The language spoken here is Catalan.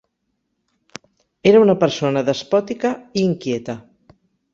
Era una persona despòtica i inquieta.